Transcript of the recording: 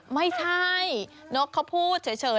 ไม่ใช่นกเขาพูดเฉย